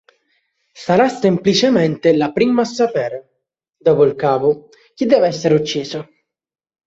Sarà semplicemente la prima a sapere, dopo il capo, chi deve essere ucciso.